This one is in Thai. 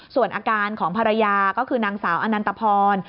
ส่วนอาการของภรรยาก็คือนางสาวอนันตพร